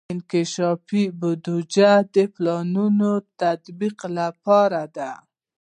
انکشافي بودیجه د پلانونو تطبیق لپاره ده.